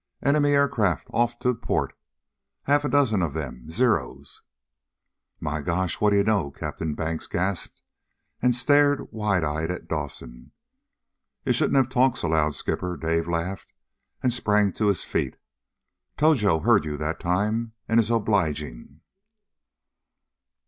"Enemy aircraft off to port! A half dozen of them. Zeros!" "My gosh, what do you know?" Captain Banks gasped, and stared wide eyed at Dawson. "You shouldn't have talked so loud, Skipper!" Dave laughed, and sprang to his feet. "Tojo heard you that time, and is obliging!"